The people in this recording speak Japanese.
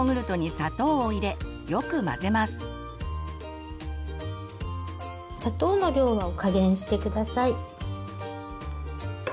砂糖の量は加減して下さい。